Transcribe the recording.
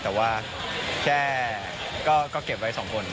แต่ว่าแค่ก็เก็บไว้๒คน